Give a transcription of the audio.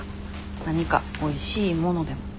何かおいしいものでも。